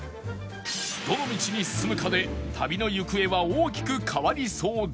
どの道に進むかで旅の行方は大きく変わりそうだが